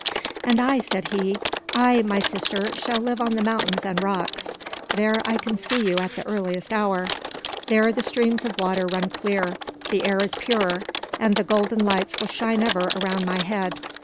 "And I," said he, "I, my sister, shall live on the mountains and rocks. There I can see you at the earliest hour; there the streams of water run clear; the air is pure; and the golden lights will shine ever around my head.